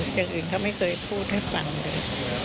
อย่างอื่นเขาไม่เคยพูดให้ฟังเลย